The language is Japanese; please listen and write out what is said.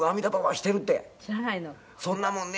そんなもんね